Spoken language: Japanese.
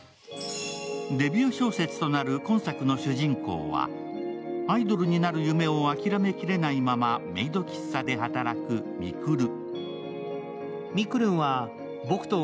デビュー小説となる今作の主人公はアイドルになる夢をあきらめきれないまま、メイド喫茶で働く、みくる。